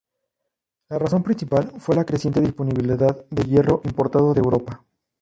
La razón principal fue la creciente disponibilidad de hierro importado de Europa.